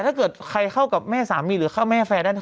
ถ้าเกิดใครเข้ากับแม่สามีหรือแม่แฟร์ด้านนั้น